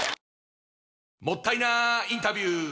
もったいなインタビュー！